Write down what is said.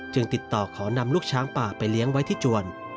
ติดต่อขอนำลูกช้างป่าไปเลี้ยงไว้ที่จวน